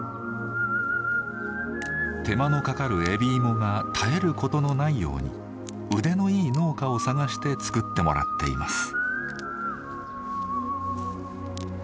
手間のかかる海老芋が絶えることのないように腕のいい農家を探して作ってもらっています。